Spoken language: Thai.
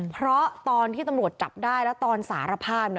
เพราะตอนที่ตำรวจจับได้แล้วตอนสารภาพ